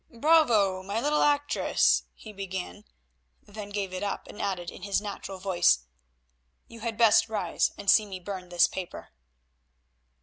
"Bravo! my little actress," he began, then gave it up and added in his natural voice, "you had best rise and see me burn this paper."